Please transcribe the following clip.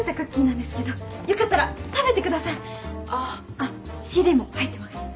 あっＣＤも入ってます。